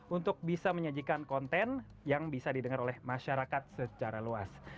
untuk bisa menyajikan konten yang bisa didengar oleh masyarakat secara luas